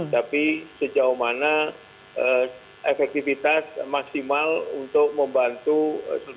tapi sejauh mana efektivitas maksimal untuk membahas status itu